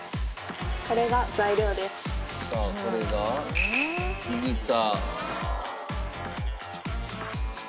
さあこれがいぐさ。